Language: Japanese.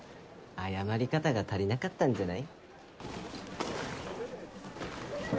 謝り方が足りなかったんじゃない？